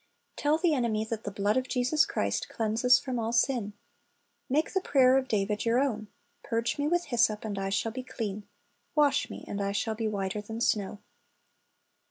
"^ Tell the enemy that the blood of Jesus Christ cleanses from all sin. Make the prayer of David your own, "Purge me Avith hyssop, and I shall be clean; wash me, and I shall be whiter than snow."''